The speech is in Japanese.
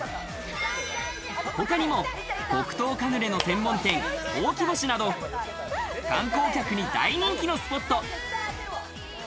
他にも黒糖カヌレの専門店・ほうき星など、観光客に大人気のスポット。